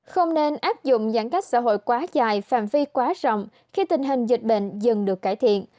không nên áp dụng giãn cách xã hội quá dài phạm vi quá rộng khi tình hình dịch bệnh dần được cải thiện